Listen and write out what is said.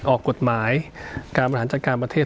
ออกกฎหมายการบริหารจัดการประเทศ